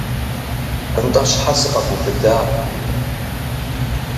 Нтӏэ щхьэ сыкъэбубыда?